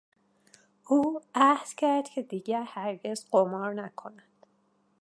او عهد کرد که دیگر هرگز قمار نکند.